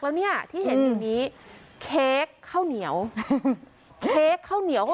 แล้วเนี่ยที่เห็นอยู่นี้เค้กข้าวเหนียวเค้กข้าวเหนียว